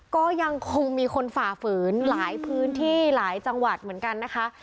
ก็ยังคงมีคนฝ่าฝืนหลายพื้นที่หลายจังหวัดเหมือนกันนะคะ